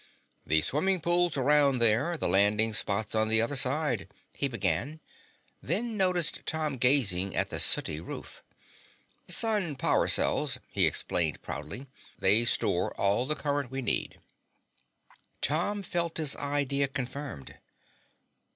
"The swimming pool's around there, the landing spot's on the other side," he began, then noticed Tom gazing at the sooty roof. "Sun power cells," he explained proudly. "They store all the current we need." Tom felt his idea confirmed.